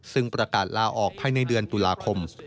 ซึ่งประกาศลาออกภายในเดือนตุลาคม